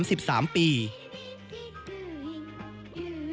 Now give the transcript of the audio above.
และเป็นตำนานยาวนานมากกว่า๓สัปดาห์